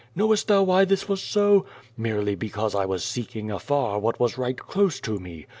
Knowest thou why this was so? Merely because 1 was seeking afar what was right close to me.